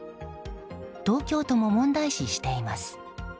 東京都も問題視しています。